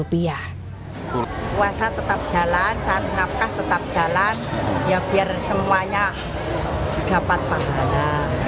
puasa tetap jalan cari nafkah tetap jalan ya biar semuanya dapat pahala